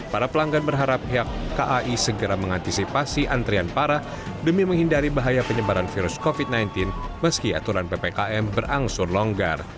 para pelanggan berharap pihak kai segera mengantisipasi antrian parah demi menghindari bahaya penyebaran virus covid sembilan belas meski aturan ppkm berangsur longgar